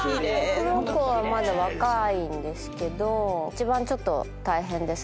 この子はまだ若いんですけど一番大変です。